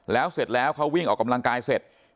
แล้วเสร็จแล้วเขาวิ่งออกกำลังกายเสร็จ